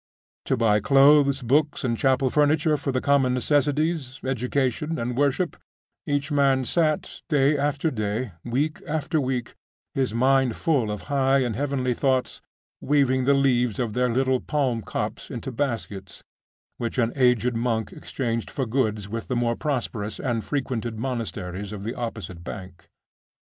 To buy clothes, books, and chapel furniture for the common necessities, education, and worship, each man sat, day after day, week after week, his mind full of high and heavenly thoughts, weaving the leaves of their little palm copse into baskets, which an aged monk exchanged for goods with the more prosperous and frequented monasteries of the opposite bank.